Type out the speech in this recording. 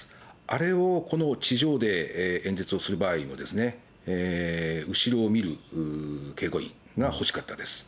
あれをこの地上で演説をする場合も、後ろを見る警護員が欲しかったです。